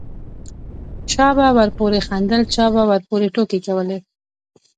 چا به ورپورې خندل چا به ورپورې ټوکې کولې.